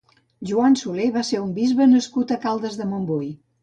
Joan Soler va ser un bisbe nascut a Caldes de Montbui.